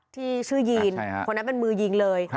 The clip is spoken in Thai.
ที่ชื่อยีนคนนั้นเป็นมือยิงเลย